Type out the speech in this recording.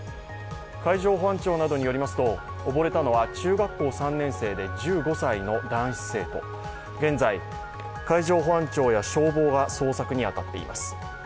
海上保安庁などによりますと溺れたのは中学校３年生で１５歳の男子生徒、現在海上保安庁や消防が捜索に当たっています。